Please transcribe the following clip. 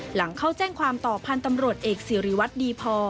หลังเข้าแจ้งความต่อพันธ์ตำรวจเอกสิริวัตรดีพอ